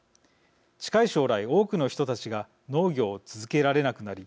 近い将来、多くの人たちが農業を続けられなくなり